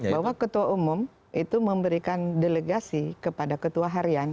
bahwa ketua umum itu memberikan delegasi kepada ketua harian